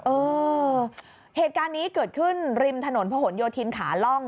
เออเหตุการณ์นี้เกิดขึ้นริมถนนพะหนโยธินขาล่อง